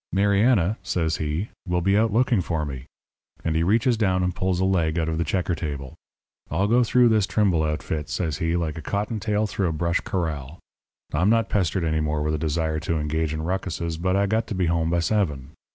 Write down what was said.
'Mariana,' says he, 'will be out looking for me.' And he reaches down and pulls a leg out of the checker table. 'I'll go through this Trimble outfit,' says he, 'like a cottontail through a brush corral. I'm not pestered any more with a desire to engage in rucuses, but I got to be home by seven.